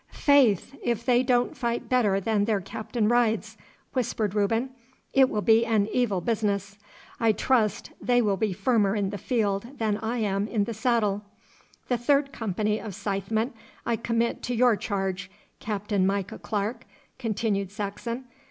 'Faith! If they don't fight better than their captain rides,' whispered Reuben, 'it will be an evil business. I trust they will be firmer in the field than I am in the saddle.' 'The third company of scythesmen I commit to your charge, Captain Micah Clarke,' continued Saxon.